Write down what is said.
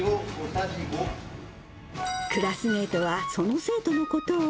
クラスメートは、その生徒のことを。